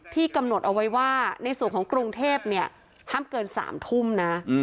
กำหนดเอาไว้ว่าในส่วนของกรุงเทพเนี่ยห้ามเกิน๓ทุ่มนะ